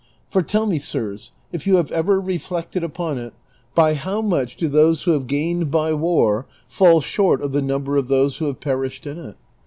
For tell me, sirs, if you have ever reflected upon it, by how much do those who have gained by war fall short of the number of those who have perished in it